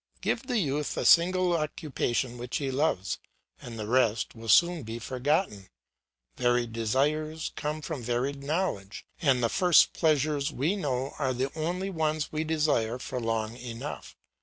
Give the youth a single occupation which he loves, and the rest will soon be forgotten. Varied desires come with varied knowledge, and the first pleasures we know are the only ones we desire for long enough.